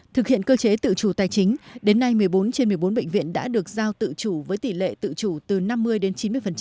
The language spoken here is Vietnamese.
thực hiện cơ chế tự chủ tài chính đến nay một mươi bốn trên một mươi bốn bệnh viện đã được giao tự chủ với tỷ lệ tự chủ từ năm mươi đến chín mươi